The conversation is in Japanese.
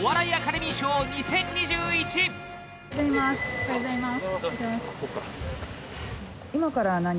おはようございます